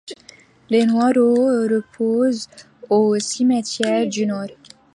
Les Noirot reposent au Cimetière du Nord.